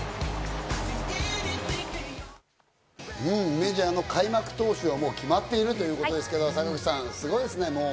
メジャーの開幕投手はもう決まっているということですけど坂口さん、すごいですね。